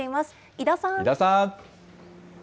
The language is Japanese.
井田さん。